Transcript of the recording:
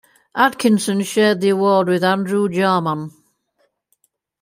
Atkinson shared the award with Andrew Jarman.